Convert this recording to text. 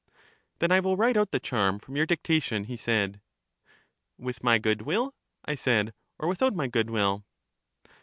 Then I will write out the charm from your dicta tion, he said. With my good will? I said, or without my good will?